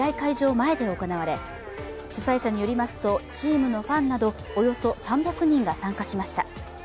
前で行われ主催者によりますと、チームのファンなどおよそ３００人が参加しました。